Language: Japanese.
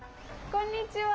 こんにちは。